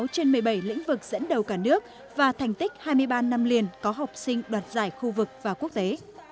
một mươi trên một mươi bảy lĩnh vực dẫn đầu cả nước và thành tích hai mươi ba năm liền có học sinh đoạt giải khu vực và quốc tế